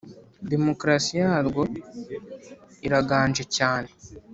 Demokarasi yarwo iraganje cyane